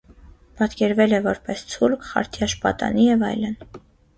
Պատկերվել է որպես ցուլ, խարտյաշ պատանի և այլն։